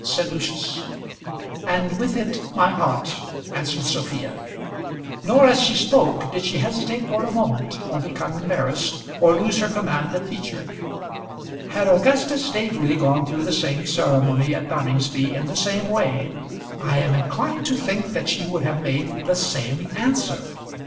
said Lucius. "And with it my heart," answered Sophia. Nor as she spoke did she hesitate for a moment, or become embarrassed, or lose her command of feature. Had Augustus Staveley gone through the same ceremony at Noningsby in the same way I am inclined to think that she would have made the same answer.